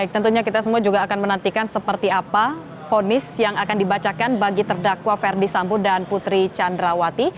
tentunya kita semua juga akan menantikan seperti apa ponis yang akan dibacakan bagi terdakwa ferdi sambo dan putri candrawati